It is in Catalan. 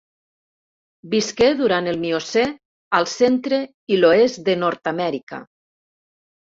Visqué durant el Miocè al centre i l'oest de Nord-amèrica.